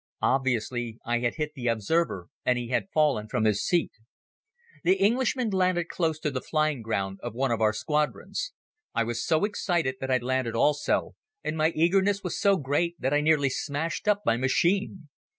Obviously I had hit the observer and he had fallen from his seat. The Englishman landed close to the flying ground of one of our squadrons. I was so excited that I landed also and my eagerness was so great that I nearly smashed up my machine.